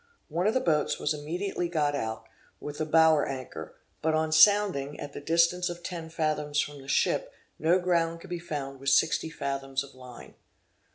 One of the boats was immediately got out, with a bower anchor; but on sounding, at the distance of ten fathoms from the ship, no ground could be found with sixty fathoms of line.